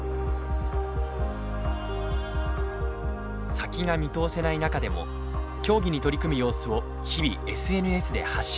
先が見通せない中でも競技に取り組む様子を日々ＳＮＳで発信。